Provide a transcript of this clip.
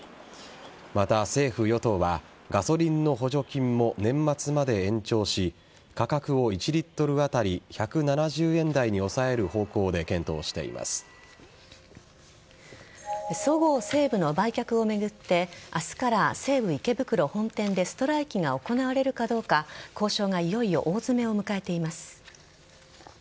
また、政府与党はガソリンの補助金も年末まで延長し価格を１リットル当たり１７０円台に抑える方向でそごう・西武の売却を巡って明日から西武池袋本店でストライキが行われるかどうか交渉がいよいよ大詰めを迎えています。